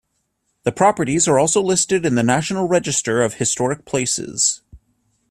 The properties are also listed in the National Register of Historic Places.